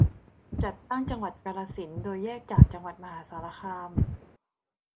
จัดตั้งจังหวัดกาฬสินธุ์ โดยแยกจากจังหวัดมหาสารคาม